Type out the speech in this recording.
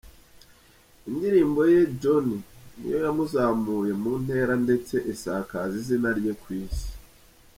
Indirimbo ye ‘Jonny’ ni yo yamuzamuye mu ntera ndetse isakaza izina rye ku Isi.